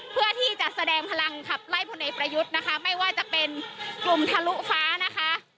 เพื่อที่จะแสดงพลังขับไล่พลเอกประยุทธ์นะคะไม่ว่าจะเป็นกลุ่มทะลุฟ้านะคะ